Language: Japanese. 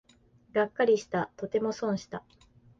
がっかりした、とても損した